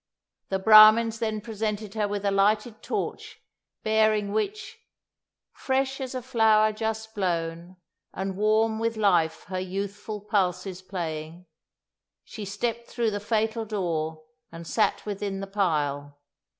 The Brahmins then presented her with a lighted torch, bearing which 'Fresh as a flower just blown, And warm with life, her youthful pulses playing,' she stepped through the fatal door, and sat within the pile.